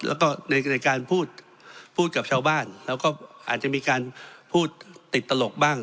แล้วก็ในการพูดพูดกับชาวบ้านแล้วก็อาจจะมีการพูดติดตลกบ้าง